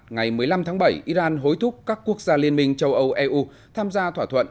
ngày một mươi năm tháng bảy iran hối thúc các quốc gia liên minh châu âu eu tham gia thỏa thuận